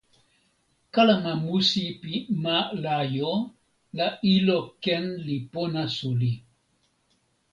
kalama musi pi ma Lajo la ilo Ken li pona suli.